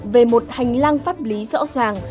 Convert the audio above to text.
về một hành lang pháp lý rõ ràng